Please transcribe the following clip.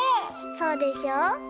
そうでしょ。